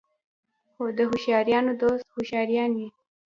د هوښیارانو دوست هوښیار وي .